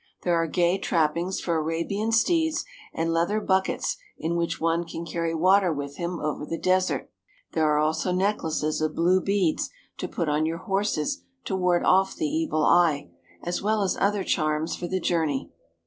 There are gay trappings for Arabian steeds, and leather buckets in which one can carry water with him over the desert. There are also necklaces of blue beads to put on your horses to ward off the evil eye, as well as other charms for the journey.